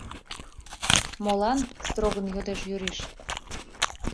Молан? — строгын йодеш Юриш.